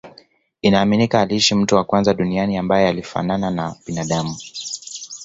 Inaaminika aliishi mtu wa kwanza duniani ambae alifanana na binadamu